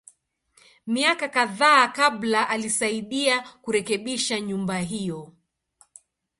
Miaka kadhaa kabla, alisaidia kurekebisha nyumba hiyo.